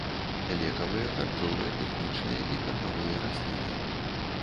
Лекавыя, харчовыя, тэхнічныя і кармавыя расліны.